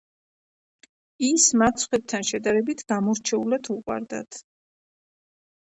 ის მათ სხვებთან შედარებით გამორჩეულად უყვარდათ.